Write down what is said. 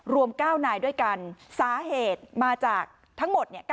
รวม๙นายด้วยกันสาเหตุมาจากทั้งหมด